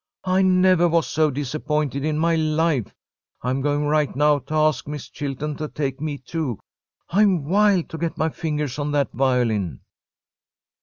I never was so disappointed in my life. I'm going right now to ask Miss Chilton to take me, too. I'm wild to get my fingers on that violin."